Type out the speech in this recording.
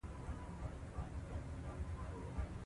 پکتیا د افغانستان د چاپیریال ساتنې لپاره مهم دي.